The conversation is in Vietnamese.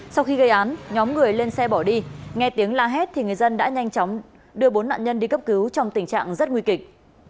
sau khi gây án nhóm người lên xe bỏ đi nghe tiếng la hét thì người dân đã nhanh chóng đưa bốn nạn nhân đi cấp cứu trong tình trạng rất nguy kịch